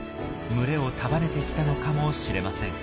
群れを束ねてきたのかもしれません。